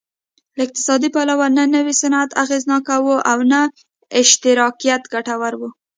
له اقتصادي پلوه نه نوی صنعت اغېزناک و او نه اشتراکیت ګټور و